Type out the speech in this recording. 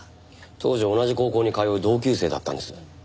当時同じ高校に通う同級生だったんです。